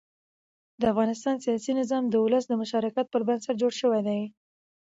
د افغانستان سیاسي نظام د ولس د مشارکت پر بنسټ جوړ شوی دی